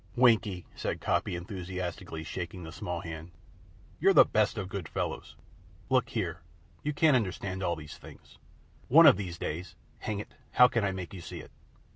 "Winkie," said Coppy, enthusiastically, shaking the small hand, "you're the best of good fellows. Look here, you can't understand all these things. One of these days hang it, how can I make you see it!